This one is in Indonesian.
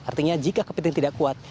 artinya jika kepentingan tidak kuat